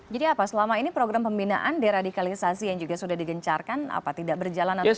jadi apa selama ini program pembinaan deradikalisasi yang juga sudah digencarkan apa tidak berjalan atau berakhir